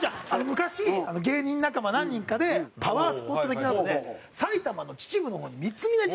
昔芸人仲間何人かでパワースポット的なので埼玉の秩父の方に三峯神社ってある。